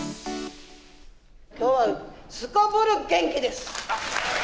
きょうはすこぶる元気です！